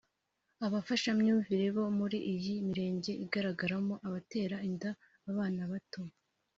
Abafashamyumvire bo muri iyi mirenge igaragaramo abatera inda abana bato